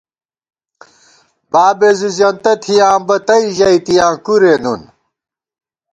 بابېس زی زېنتہ تھِیاں بہ تئ ژَئیتِیاں کُورےنُن